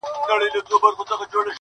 o زه چي کور ته ورسمه هغه نه وي.